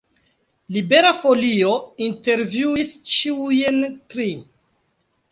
Libera Folio intervjuis ĉiujn tri.